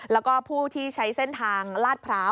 แล้วก็ผู้ที่ใช้เส้นทางลาดพร้าว